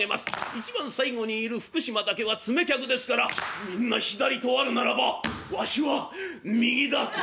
一番最後にいる福島だけは詰め客ですから「みんな左とあるならばわしは右だ」とつまらねえことに。